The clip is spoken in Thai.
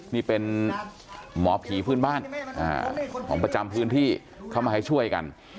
นี่เป็นหมอผีพื้นบ้านของประจำพื้นที่เข้ามาให้ช่วยกัน